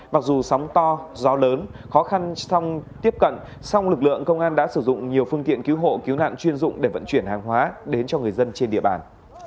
mặc dù sóng to gió lớn khó khăn song tiếp cận song lực lượng công an đã sử dụng nhiều phương tiện cứu hộ cứu nạn chuyên dụng để vận chuyển hàng hóa đến cho người dân trên địa bàn